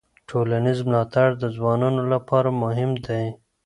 ټولنیز ملاتړ د ځوانانو لپاره مهم دی.